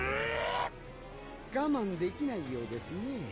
我慢できないようですね。